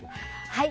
はい！